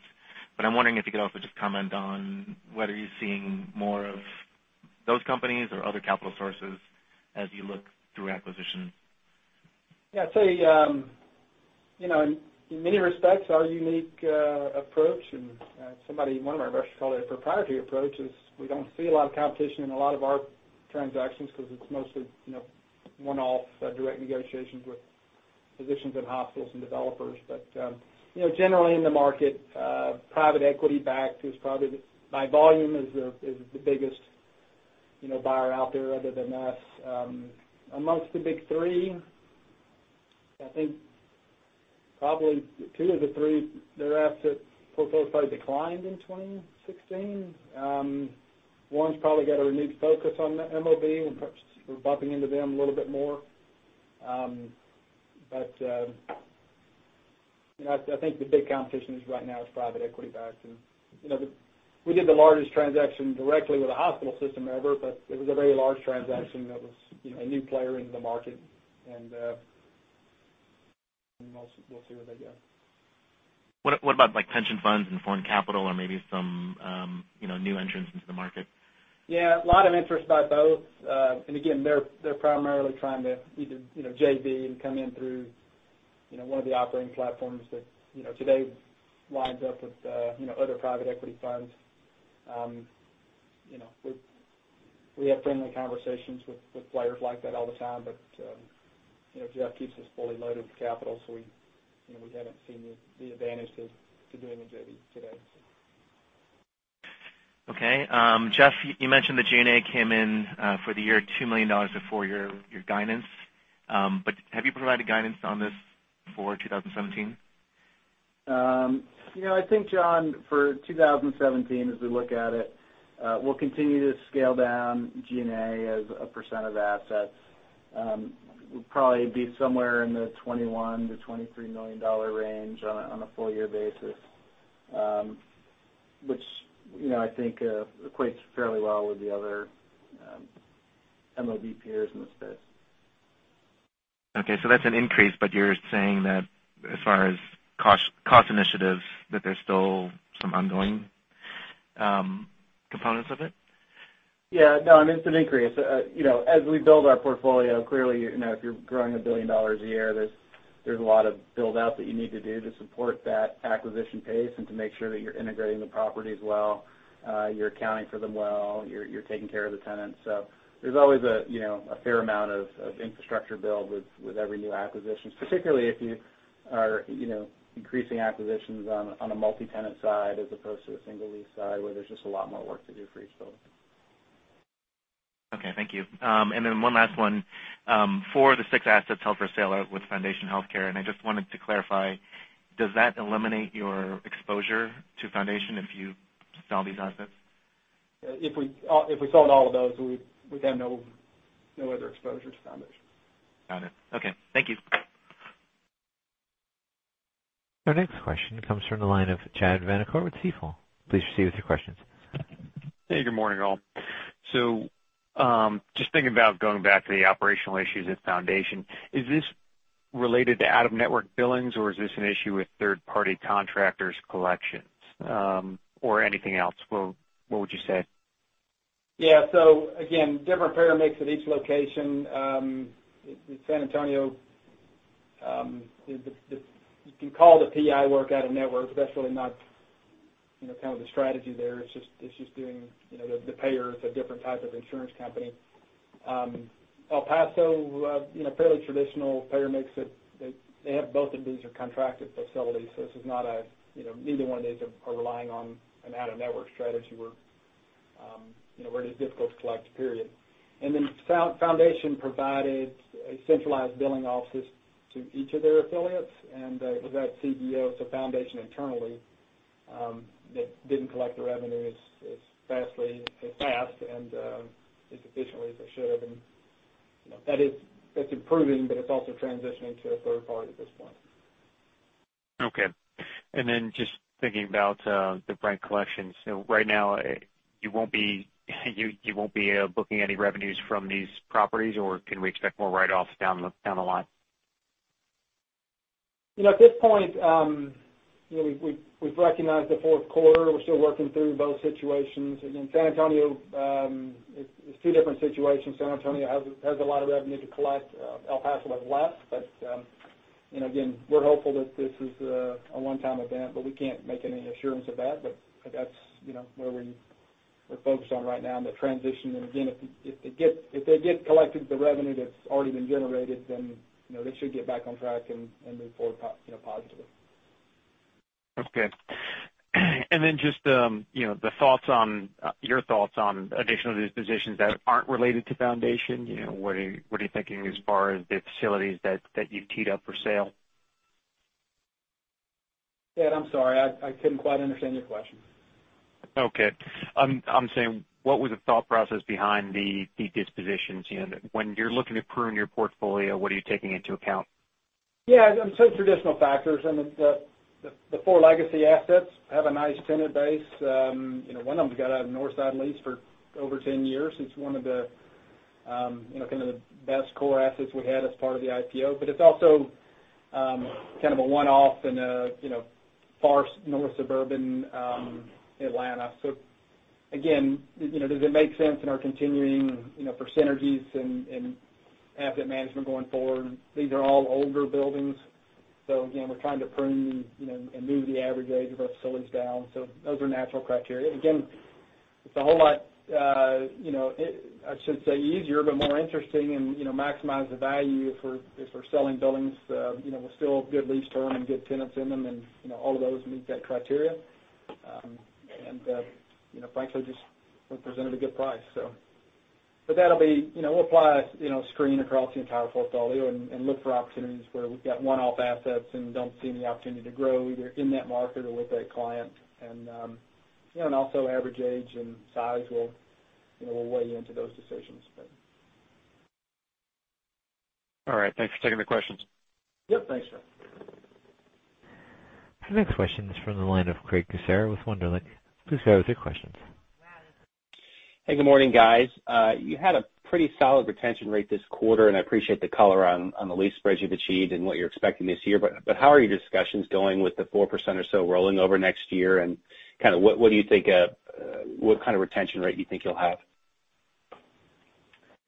I'm wondering if you could also just comment on whether you're seeing more of those companies or other capital sources as you look through acquisitions. Yeah. I'd say, in many respects, our unique approach, one of our investors called it a proprietary approach, is we don't see a lot of competition in a lot of our transactions because it's mostly one-off direct negotiations with physicians and hospitals and developers. Generally, in the market, private equity-backed, by volume, is the biggest buyer out there other than us. Amongst the big three, I think probably two of the three, their asset portfolios probably declined in 2016. One's probably got a renewed focus on MOB, and perhaps we're bumping into them a little bit more. I think the big competition right now is private equity-backed. We did the largest transaction directly with a hospital system ever, it was a very large transaction that was a new player in the market. We'll see where they go. What about pension funds and foreign capital or maybe some new entrants into the market? Yeah. A lot of interest by both. Again, they're primarily trying to either JV and come in through one of the operating platforms that today lines up with other private equity funds. We have friendly conversations with players like that all the time, Jeff keeps us fully loaded with capital, we haven't seen the advantage to doing a JV today. Jeff, you mentioned that G&A came in for the year, $2 million before your guidance. Have you provided guidance on this for 2017? I think, John, for 2017, as we look at it, we'll continue to scale down G&A as a % of assets. We'd probably be somewhere in the $21 million-$23 million range on a full-year basis, which I think equates fairly well with the other MOB peers in the space. Okay. That's an increase, you're saying that as far as cost initiatives, that there's still some ongoing components of it? Yeah, no, it's an increase. As we build our portfolio, clearly, if you're growing $1 billion a year, there's a lot of build-out that you need to do to support that acquisition pace and to make sure that you're integrating the properties well, you're accounting for them well, you're taking care of the tenants. There's always a fair amount of infrastructure build with every new acquisition, particularly if you are increasing acquisitions on a multi-tenant side as opposed to a single-lease side where there's just a lot more work to do for each building. Okay, thank you. Then one last one. Four of the six assets held for sale are with Foundation Health Corporation, and I just wanted to clarify, does that eliminate your exposure to Foundation if you sell these assets? If we sold all of those, we'd have no other exposure to Foundation. Got it. Okay. Thank you. Our next question comes from the line of Chad Vanacore with Stifel. Please proceed with your questions. Hey, good morning, all. Just thinking about going back to the operational issues at Foundation, is this related to out-of-network billings, or is this an issue with third-party contractors' collections, or anything else? What would you say? Yeah. Again, different payer mix at each location. San Antonio, you can call the PI work out-of-network, but that's really not kind of the strategy there. It's just the payer is a different type of insurance company. El Paso, fairly traditional payer mix. Both of these are contracted facilities, neither one of these are relying on an out-of-network strategy where it is difficult to collect, period. Foundation provided a centralized billing office to each of their affiliates, and it was that CBO, Foundation internally, that didn't collect the revenue as fast and as efficiently as it should have. That's improving, but it's also transitioning to a third-party at this point. Okay. Just thinking about the Brent collections. Right now, you won't be booking any revenues from these properties, or can we expect more write-offs down the line? At this point, we've recognized the fourth quarter. We're still working through both situations. San Antonio, it's two different situations. San Antonio has a lot of revenue to collect. El Paso has less. Again, we're hopeful that this is a one-time event, but we can't make any assurance of that. That's where we're focused on right now in the transition. Again, if they get collected, the revenue that's already been generated, then they should get back on track and move forward positively. Okay. Then just your thoughts on additional of these positions that aren't related to Foundation. What are you thinking as far as the facilities that you've teed up for sale? Ed, I'm sorry. I couldn't quite understand your question. Okay. I'm saying, what was the thought process behind the dispositions? When you're looking to prune your portfolio, what are you taking into account? Yeah. Traditional factors. I mean, the four legacy assets have a nice tenant base. One of them, we got out of Northside lease for over 10 years. It's one of the best core assets we had as part of the IPO, it's also kind of a one-off in a far north suburban Atlanta. Again, does it make sense in our continuing, for synergies and asset management going forward? These are all older buildings, again, we're trying to prune, and move the average age of our facilities down. Those are natural criteria. Again, it's a whole lot, I should say, easier but more interesting and maximize the value if we're selling buildings, with still good lease term and good tenants in them and all of those meet that criteria. Frankly, just when presented a good price. We'll apply a screen across the entire portfolio and look for opportunities where we've got one-off assets and don't see any opportunity to grow either in that market or with that client. Also, average age and size will weigh into those decisions. All right. Thanks for taking the questions. Yep. Thanks, Jeff. Our next question is from the line of Craig Kucera with Wunderlich. Please go ahead with your questions. Hey, good morning, guys. You had a pretty solid retention rate this quarter, and I appreciate the color on the lease spreads you've achieved and what you're expecting this year. How are your discussions going with the 4% or so rolling over next year, and what kind of retention rate do you think you'll have?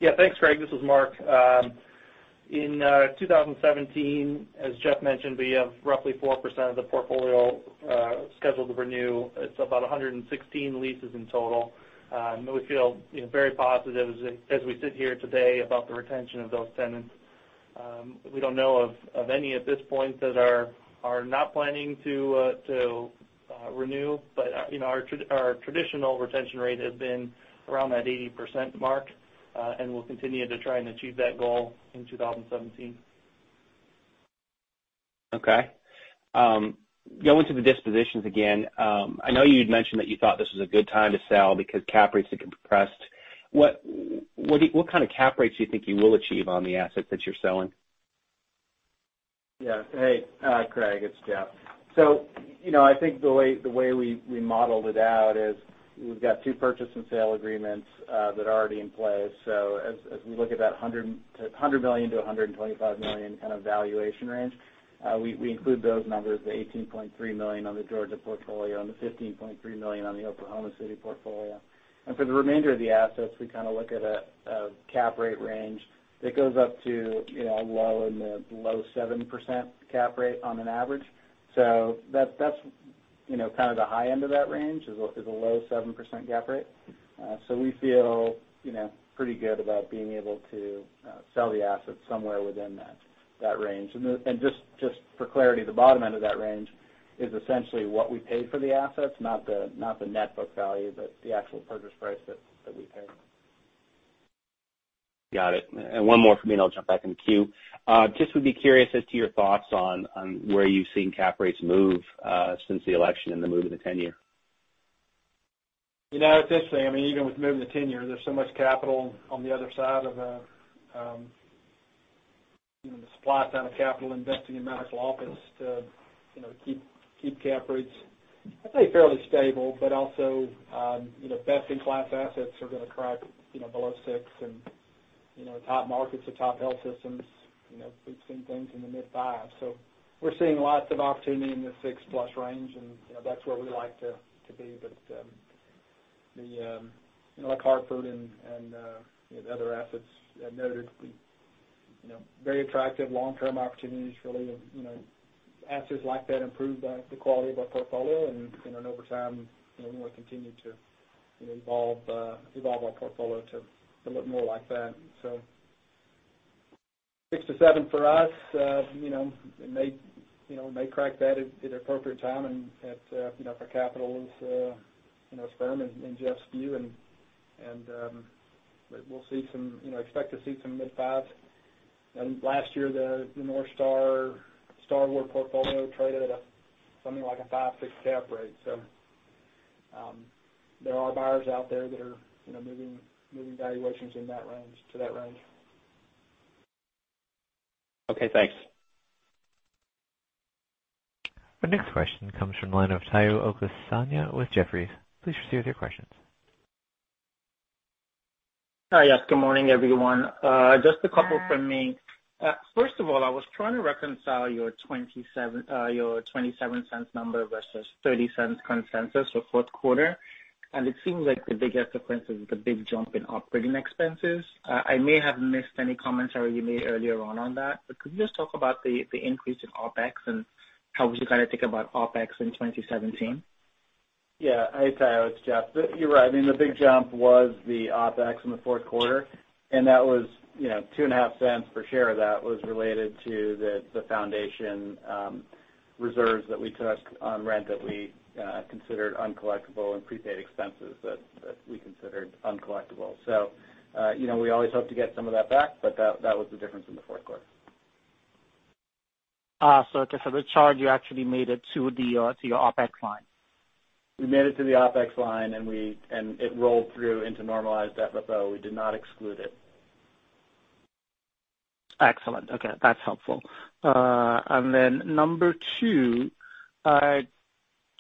Yeah. Thanks, Craig. This is Mark. In 2017, as Jeff mentioned, we have roughly 4% of the portfolio scheduled to renew. It's about 116 leases in total. We feel very positive as we sit here today about the retention of those tenants. We don't know of any at this point that are not planning to renew. Our traditional retention rate has been around that 80% mark, and we'll continue to try and achieve that goal in 2017. Okay. Going to the dispositions again, I know you'd mentioned that you thought this was a good time to sell because cap rates had been compressed. What kind of cap rates do you think you will achieve on the assets that you're selling? Yeah. Hey, Craig, it's Jeff. I think the way we modeled it out is we've got two purchase and sale agreements that are already in place. As we look at that $100 million to $125 million kind of valuation range, we include those numbers, the $18.3 million on the Georgia portfolio and the $15.3 million on the Oklahoma City portfolio. For the remainder of the assets, we kind of look at a cap rate range that goes up to low in the low 7% cap rate on an average. That's kind of the high end of that range, is a low 7% cap rate. We feel pretty good about being able to sell the assets somewhere within that range. Just for clarity, the bottom end of that range is essentially what we paid for the assets, not the net book value, but the actual purchase price that we paid. Got it. One more from me, I'll jump back in the queue. Just would be curious as to your thoughts on where you've seen cap rates move since the election and the move in the 10-year. It's interesting. I mean, even with moving the 10-year, there's so much capital on the other side of the supply side of capital investing in medical office to keep cap rates, I'd say, fairly stable, but also best-in-class assets are going to crack below 6. Top markets or top health systems, we've seen things in the mid 5s. We're seeing lots of opportunity in the 6-plus range, and that's where we like to be. Like Hartford and the other assets noted, very attractive long-term opportunities, really. Assets like that improve the quality of our portfolio and over time, we'll continue to evolve our portfolio to look more like that. 6-7 for us, may crack that at an appropriate time and if our capital is firm, in Jeff's view, we expect to see some mid 5s. Last year, the Northstar Starwood portfolio traded at something like a 5.6% cap rate. There are buyers out there that are moving valuations in that range, to that range. Okay, thanks. Our next question comes from the line of Tayo Okusanya with Jefferies. Please proceed with your questions. Hi, yes. Good morning, everyone. Just a couple from me. First of all, I was trying to reconcile your $0.27 number versus $0.30 consensus for fourth quarter. It seems like the biggest difference is the big jump in operating expenses. I may have missed any commentary you made earlier on that, but could you just talk about the increase in OpEx and how would you kind of think about OpEx in 2017? Yeah. Hey, Tayo, it's Jeff. You're right. I mean, the big jump was the OpEx in the fourth quarter. That was $0.025 per share of that was related to the foundation reserves that we took on rent that we considered uncollectible and prepaid expenses that we considered uncollectible. We always hope to get some of that back, but that was the difference in the fourth quarter. Just as a charge, you actually made it to your OPEX line. We made it to the OPEX line, and it rolled through into normalized FFO. We did not exclude it. Excellent. Okay. That's helpful. Then number two,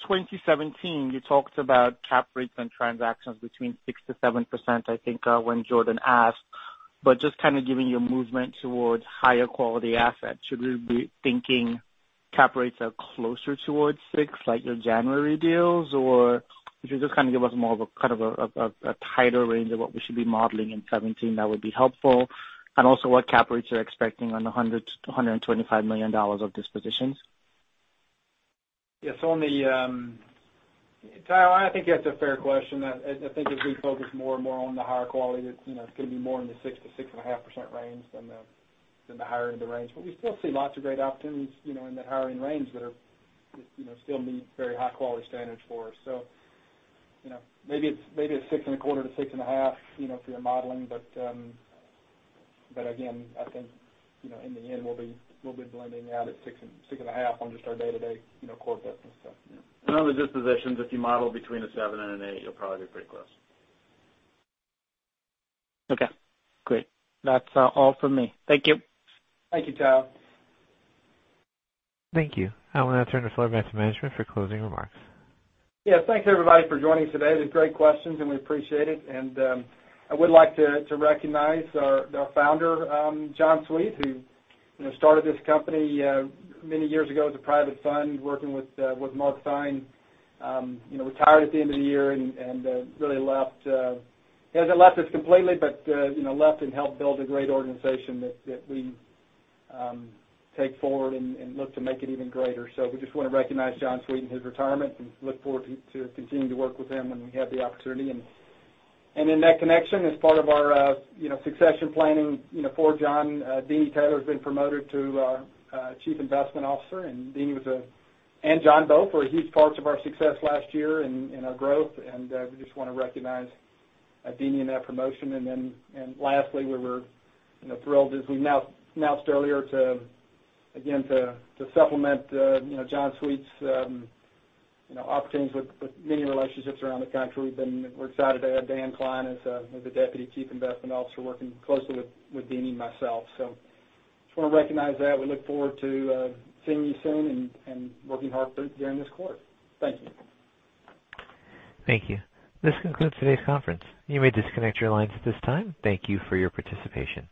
2017, you talked about cap rates and transactions between 6%-7%, I think, when Jordan asked. Just kind of giving you a movement towards higher quality assets, should we be thinking cap rates are closer towards 6%, like your January deals? Or if you just kind of give us more of a tighter range of what we should be modeling in 2017, that would be helpful. And also what cap rates you're expecting on the $100 million-$125 million of dispositions. Yes. Tayo, I think that's a fair question. I think as we focus more and more on the higher quality, it's going to be more in the 6%-6.5% range than the higher end of the range. We still see lots of great opportunities in that higher end range that still meet very high-quality standards for us. Maybe it's 6.25%-6.5% for your modeling. Again, I think in the end, we'll be blending out at 6.5% on just our day-to-day core business stuff. On the dispositions, if you model between a seven and an eight, you'll probably be pretty close. Okay, great. That's all from me. Thank you. Thank you, Tayo. Thank you. I will now turn the floor back to management for closing remarks. Yes. Thanks, everybody, for joining us today. These are great questions, and we appreciate it. I would like to recognize our founder, John Sweet, who started this company many years ago as a private fund, working with Mark Theine. Retired at the end of the year and really left. He hasn't left us completely, but left and helped build a great organization that we take forward and look to make it even greater. We just want to recognize John Sweet and his retirement and look forward to continuing to work with him when we have the opportunity. In that connection, as part of our succession planning for John, Deeni Taylor has been promoted to Chief Investment Officer. John both were huge parts of our success last year and our growth, and we just want to recognize Deeni in that promotion. Lastly, we were thrilled, as we announced earlier, again, to supplement John Sweet's opportunities with many relationships around the country. We're excited to have Daniel Klein as the Deputy Chief Investment Officer, working closely with Deeni and myself. We just want to recognize that. We look forward to seeing you soon and working hard during this quarter. Thank you. Thank you. This concludes today's conference. You may disconnect your lines at this time. Thank you for your participation.